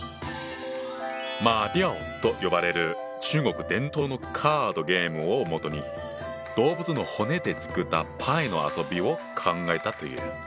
馬吊と呼ばれる中国伝統のカードゲームをもとに動物の骨で作ったパイの遊びを考えたという。